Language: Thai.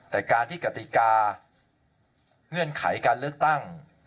แต่การที่กติกาเงื่อนไขการเลือกตั้ง